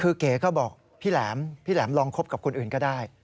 คือเก๋ก็บอกพี่แหลมพี่แหลมลองคบกับคนอื่นก็ได้